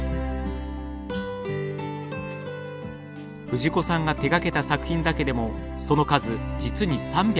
藤子さんが手がけた作品だけでもその数実に３５０。